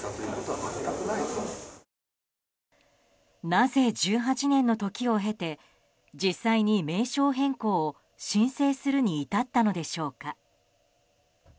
なぜ、１８年の時を経て名称変更を申請するに至ったのでしょうか。